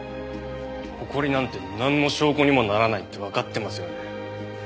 ホコリなんてなんの証拠にもならないってわかってますよね。